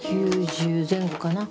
９０前後かな。